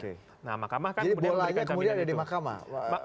jadi bolanya kemudian ada di mahkamah